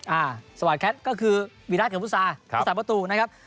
อ่าสวัสดีครับก็คือวิราชเถพุรุษากษัตริย์ประตูนะครับ